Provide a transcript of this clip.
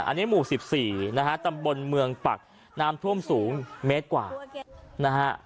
อันนี้หมู่๑๔นะฮะตำบลเมืองปักน้ำท่วมสูงเมตรกว่านะฮะ